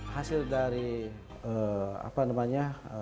hasil dari apa namanya